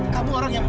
jauh tarik bang tani